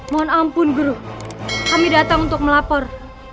mohon ampun kami datang untuk melapor